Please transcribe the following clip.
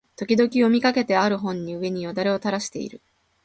時々読みかけてある本の上に涎をたらしている